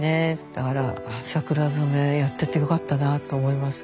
だから桜染めやっててよかったなと思います。